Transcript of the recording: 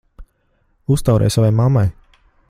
Uztaurē savai mammai!